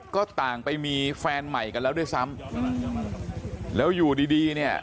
ก็ต่างไปมีแฟนใหม่กันแล้วด้วยซ้ำแล้วอยู่ดีดีเนี่ย